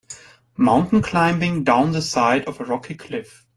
Mountain climbing down the side of a rocky cliff